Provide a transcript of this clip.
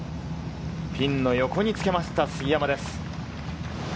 ピンの横につけました、杉山です。